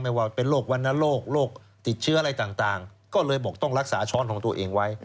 ว่าเป็นโรควรรณโรคโรคติดเชื้ออะไรต่างก็เลยบอกต้องรักษาช้อนของตัวเองไว้